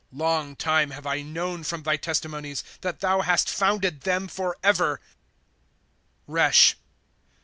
Google ■ Long time have I known from thy testimonies, That thou hast founded them forever. Resh.